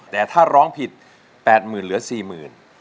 แต่ถ้าร้องผิด๘หมื่นเหลือ๔หมื่น